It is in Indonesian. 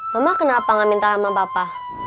mama kenapa gak minta sama bapak